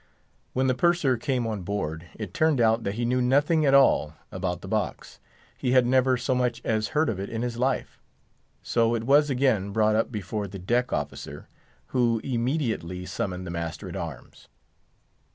When the Purser came on board, it turned out that he knew nothing at all about the box. He had never so much as heard of it in his life. So it was again brought up before the deck officer, who immediately summoned the master at arms.